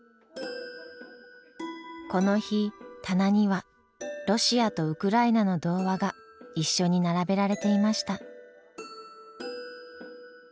この日棚にはロシアとウクライナの童話が一緒に並べられていました。